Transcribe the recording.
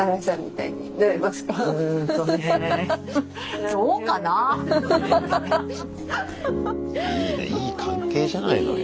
いいねいい関係じゃないのよ。